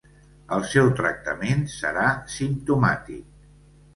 El seu tractament serà simptomàtic.